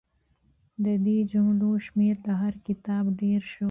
د دې جملو شمېر له هر کتاب ډېر شو.